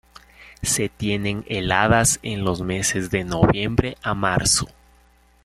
Se tienen heladas en los meses de noviembre a marzo.